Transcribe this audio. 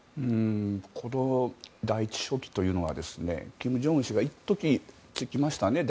この第１書記というのは金正恩氏が一時、第１書記につきましたね。